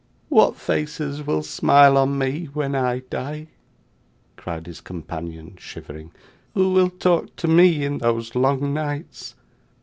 'What faces will smile on me when I die!' cried his companion, shivering. 'Who will talk to me in those long nights!